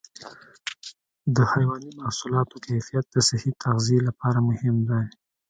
د حيواني محصولاتو کیفیت د صحي تغذیې لپاره مهم دی.